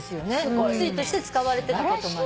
お薬として使われてたことも。